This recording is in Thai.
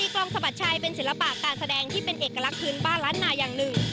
กลองสะบัดชัยเป็นศิลปะการแสดงที่เป็นเอกลักษณ์พื้นบ้านล้านนาอย่างหนึ่ง